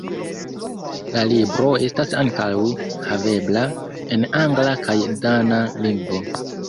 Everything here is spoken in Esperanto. La libro estas ankaŭ havebla en angla kaj dana lingvo.